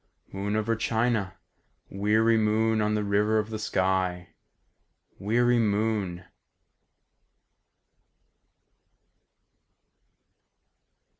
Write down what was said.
"Moon over China, Weary moon on the river of the sky ... weary moon!"